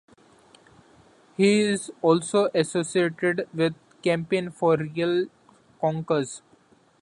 He is also associated with Campaign for Real Conkers.